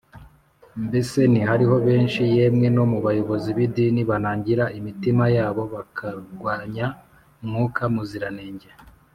Mbese ntihariho benshi, yemwe no mu bayobozi b’idini, banangira imitima yabo bakarwanya Mwuka Muziranenge